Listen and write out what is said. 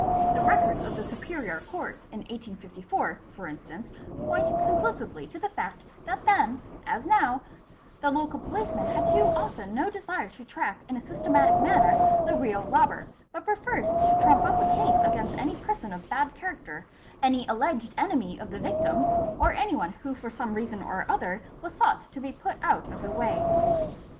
The records of the Superior Courts in 1854, or instance, point conclusively to the fact that then as now the local 756 THEFT policeman had too often no desire to track in a systematic manner the real robber, but preferred to trump up a case against any person of bad character, any alleged enemy of the victim, or anyone who for some reason or other was sought to be put out of the way.